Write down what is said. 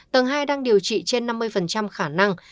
tầng hai đang điều trị trên năm mươi khả năng